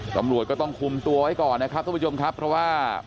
ตำรวจก็ต้องคุมตัวไว้ก่อนนะครับทุกผู้ชมครับเพราะว่า